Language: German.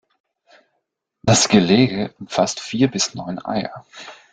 Das Gelege umfasst vier bis neun Eier.